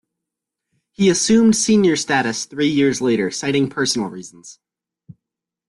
He assumed senior status three years later, citing personal reasons.